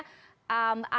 kalau tadi sebenarnya